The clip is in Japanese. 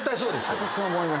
私思います